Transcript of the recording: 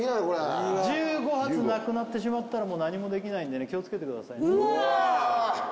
これ１５発なくなってしまったら何もできないんでね気をつけてくださいねうわ！